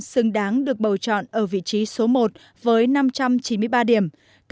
xứng đáng được bầu chọn ở vị trí số một với năm trăm chín mươi ba điểm